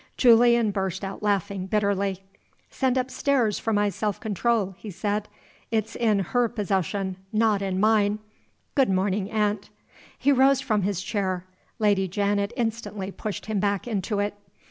Julian burst out laughing bitterly. "Send upstairs for my self control," he said. "It's in her possession not in mine. Good morning, aunt." He rose from his chair. Lady Janet instantly pushed him back into it.